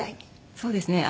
そうですね。